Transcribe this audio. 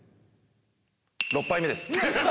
６杯目です。